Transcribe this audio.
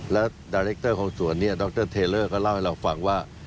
และดรของสวนนี้ดรเทลเลอร์ก็เล่าให้เราฟังว่า